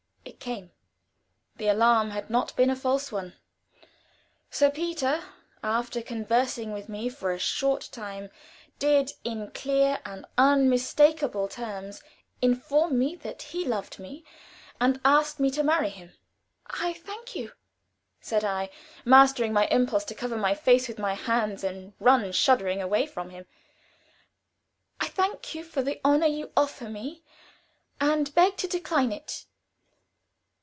It came. The alarm had not been a false one. Sir Peter, after conversing with me for a short time, did, in clear and unmistakable terms, inform me that he loved me, and asked me to marry him. "I thank you," said I, mastering my impulse to cover my face with my hands, and run shuddering away from him. "I thank you for the honor you offer me, and beg to decline it."